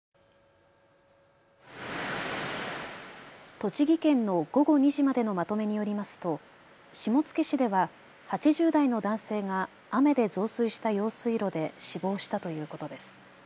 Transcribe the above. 栃木県の午後２時までのまとめによりますと下野市では８０代の男性が雨で増水した用水路で死亡したということです。